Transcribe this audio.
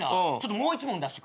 もう１問出してくれ。